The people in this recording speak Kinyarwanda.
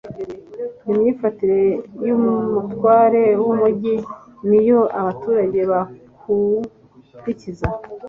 imyifatire y'umutware w'umugi, ni yo abaturage bakurikiza